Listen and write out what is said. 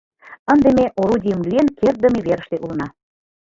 — Ынде ме орудийын лӱен кертдыме верыште улына.